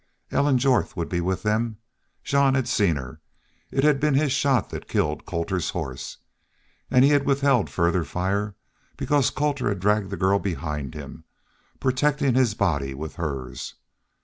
Ellen Jorth would be with them. Jean had seen her. It had been his shot that killed Colter's horse. And he had withheld further fire because Colter had dragged the girl behind him, protecting his body with hers.